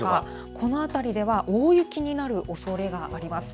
このあたりでは、大雪になるおそれがあります。